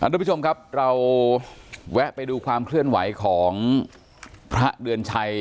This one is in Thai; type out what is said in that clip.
ทุกผู้ชมครับเราแวะไปดูความเคลื่อนไหวของพระเดือนชัย